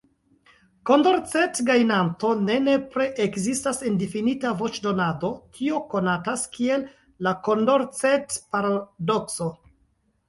Kondorcet-gajnanto ne nepre ekzistas en difinita voĉdonado, tio konatas kiel la Kondorcet-paradokso.